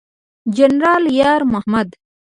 جنرال یار محمد